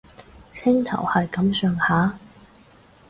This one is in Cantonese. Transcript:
青頭係咁上下